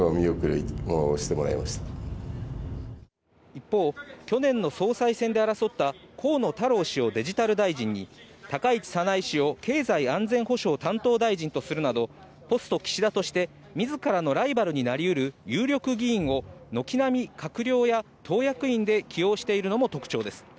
一方、去年の総裁選で争った河野太郎氏をデジタル大臣に、高市早苗氏を経済安全保障担当大臣とするなど、ポスト岸田として自らのライバルになりうる有力議員を軒並み閣僚や党役員としているのも特徴です。